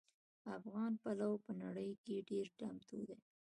افغان پلو په نړۍ کې ډېر نامتو دي